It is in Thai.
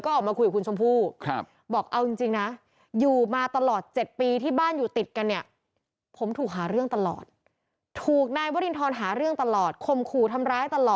ก็ออกมาคุยกับคุณชมพูแฟนหน้า